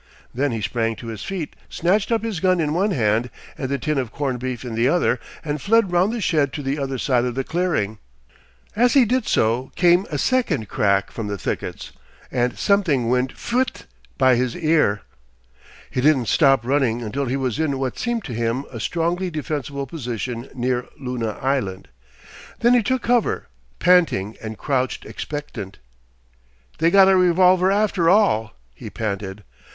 Then he sprang to his feet, snatched up his gun in one hand and the tin of corned beef in the other, and fled round the shed to the other side of the clearing. As he did so came a second crack from the thickets, and something went phwit! by his ear. He didn't stop running until he was in what seemed to him a strongly defensible position near Luna Island. Then he took cover, panting, and crouched expectant. "They got a revolver after all!" he panted....